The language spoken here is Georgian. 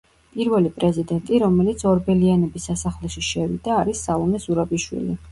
პირველი პრეზიდენტი, რომელიც ორბელიანების სასახლეში შევიდა, არის სალომე ზურაბიშვილი.